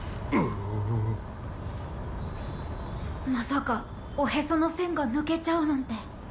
まさかおへその栓が抜けちゃうなんて。